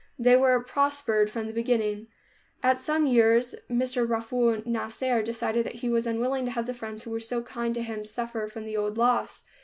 They were prospered from the beginning. After some years Mr. Rafool Nasser decided that he was unwilling to have the friends who were so kind to him suffer from the old loss.